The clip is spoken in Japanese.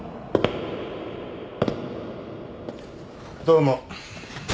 どうも。